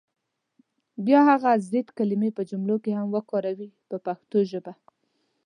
بیا دې هغه ضد کلمې په جملو کې هم وکاروي په پښتو ژبه.